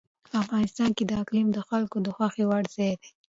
افغانستان کې اقلیم د خلکو د خوښې وړ ځای دی.